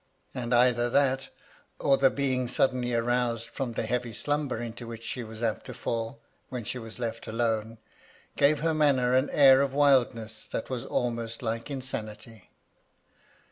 And either that, or the being suddenly roused from the heavy slumber into which she was apt to fall when she was left alone, gave her manner an air of wildness that was almost like insanity.